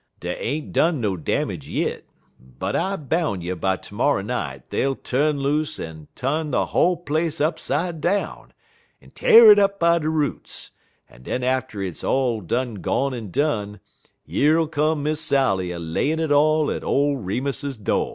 Dey ain't done no damage yit, but I boun' you by termorrer night dey'll tu'n loose en tu'n de whole place upside down, en t'ar it up by de roots, en den atter hit's all done gone en done, yer'll come Miss Sally a layin' it all at ole Remus do'.